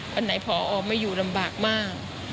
วันไหนพอไม่อยู่ลำบากมาก